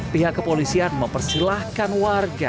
pihak kepolisian mempersilahkan warga